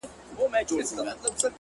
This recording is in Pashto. ستا هره گيله مي لا په ياد کي ده’